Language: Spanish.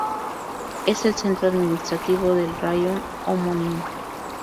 Es el centro administrativo del raión homónimo.